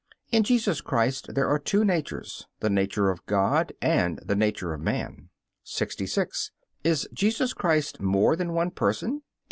In Jesus Christ there are two natures, the nature of God and the nature of man. 66. Q. Is Jesus Christ more than one person?